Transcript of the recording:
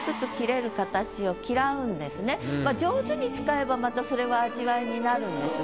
まあ上手に使えばまたそれは味わいになるんですが。